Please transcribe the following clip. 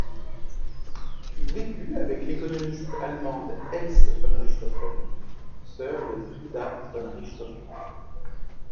Il vécut avec l'économiste allemande Else von Richthofen, sœur de Frieda von Richthofen.